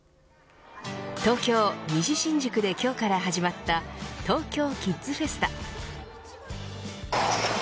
東京、西新宿で今日から始まったＴＯＫＹＯキッズフェスタ。